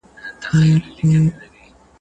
کیمیا وروسته خپله خپلواکي واخیسته.